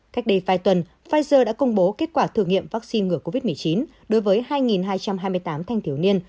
cách đây vài tuần pfizer đã công bố kết quả thử nghiệm vaccine ngừa covid một mươi chín đối với hai hai trăm hai mươi tám thanh thiếu niên